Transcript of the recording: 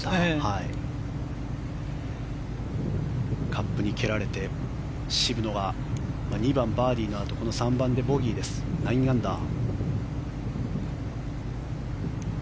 カップに蹴られて渋野は２番、バーディーのあとこの３番でボギーです９アンダー。